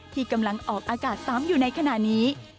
ที่กำลังออกอากาศซ้ำอยู่ในขณะนี้